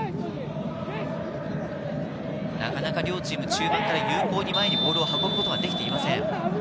なかなか両チーム、中盤から有効に前にボールを運ぶことができていません。